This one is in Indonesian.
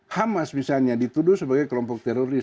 hamas misalnya dituduh sebagai kelompok teroris